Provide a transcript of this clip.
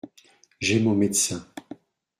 J’ai mon médecin.